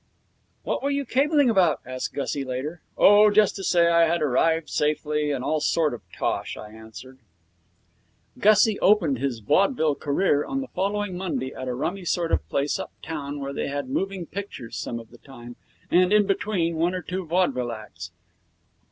'What were you cabling about?' asked Gussie, later. 'Oh just to say I had arrived safely, and all that sort of tosh,' I answered. Gussie opened his vaudeville career on the following Monday at a rummy sort of place uptown where they had moving pictures some of the time and, in between, one or two vaudeville acts.